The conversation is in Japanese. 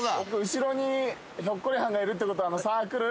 後ろにひょっこりはんがいるってことはサークル。